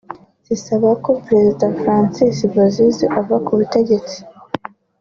zisaba ko Perezida Francois Bozizé ava ku butegetsi